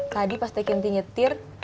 tadi pas tehkin nanti nyetir